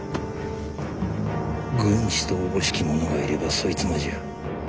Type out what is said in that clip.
軍師とおぼしき者がいればそいつもじゃ。